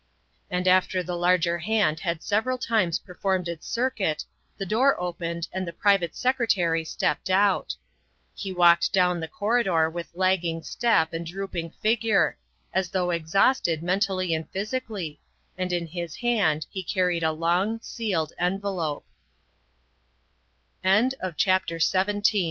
And after the larger hand had several times per formed its circuit the door opened and the private secre tary stepped out. He walked down the corridor with lagging step and drooping figure, as though exhausted mentally and physically, and in his hand he car